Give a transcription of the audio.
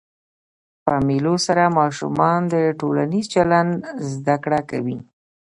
په مېلو سره ماشومان د ټولنیز چلند زده کړه کوي.